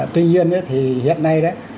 tuy nhiên hiện nay